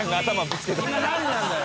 今何時なんだよ！